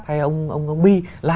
hay ông bi